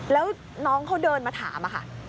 แล้วน้องเขาเดินมาถามค่ะ